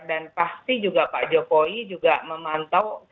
dan pasti juga pak jokowi juga memantau kegiatan jenderal andika